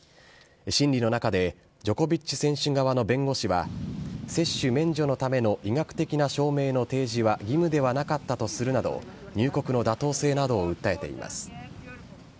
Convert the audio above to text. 審理の中でジョコビッチ選手側の弁護士は、接種免除のための医学的な証明の提示は義務ではなかったとするなど、入国の妥当性などを訴えています。